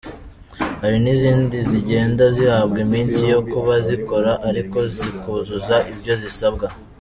Hari n’izindi zigenda zihabwa iminsi yo kuba zikora ariko zikuzuza ibyo zisabwa.